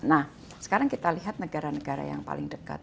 nah sekarang kita lihat negara negara yang paling dekat